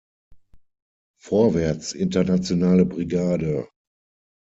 Vorwärts, internationale Brigade!